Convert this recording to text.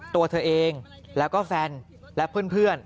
ตัวเธอเองแล้วก็แฟนและเพื่อน